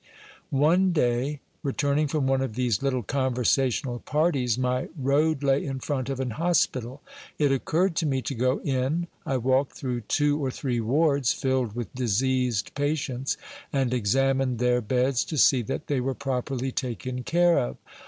One day, returning from one of these little conversational parties, my road lay in front of an hospital. It occurred to me to go in. I walked through two or three wards, filled with diseased patients, and examined their beds to see that they were properly taken care of.